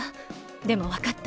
でもわかった。